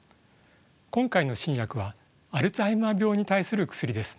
今回の新薬はアルツハイマー病に対する薬です。